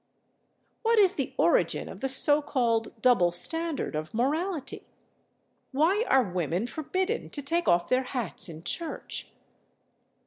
What is the origin of the so called double standard of morality? Why are women forbidden to take off their hats in church?